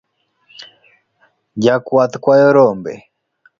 Jakwath kwayo rombe.